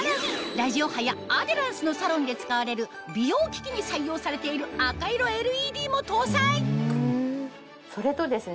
ラジオ波やアデランスのサロンで使われる美容機器に採用されている赤色ＬＥＤも搭載それとですね